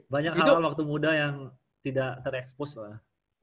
banyak hal waktu muda yang tidak terekspos lah